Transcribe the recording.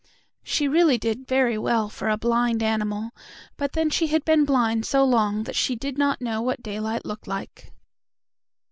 She really did very well for a blind animal, but then she had been blind so long that she did not know what daylight looked like.